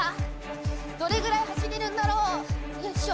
どれぐらい走れるんだろうよいしょ